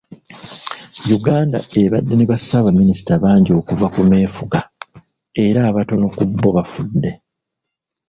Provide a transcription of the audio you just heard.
Uganda ebadde ne bassaabaminisita bangi okuva ku meefuga era abatono ku bo bafudde.